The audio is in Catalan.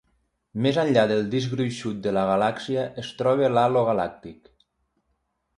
Més enllà del disc gruixut de la galàxia es troba l'halo galàctic.